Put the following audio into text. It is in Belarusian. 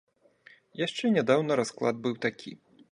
Яшчэ нядаўна расклад быў такі.